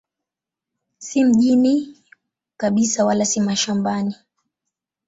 Si mjini kabisa wala si mashambani.